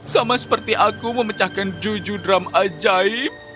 sama seperti aku memecahkan juju drum ajaib